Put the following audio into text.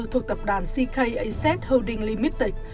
thuộc tập đoàn ckac holding limited